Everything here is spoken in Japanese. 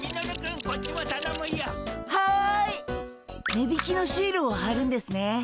値引きのシールをはるんですね。